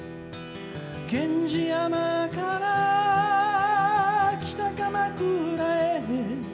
「源氏山から北鎌倉へ」